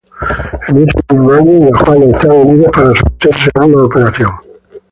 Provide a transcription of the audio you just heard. En ese mismo año, viajó a Estados Unidos para someterse a una operación.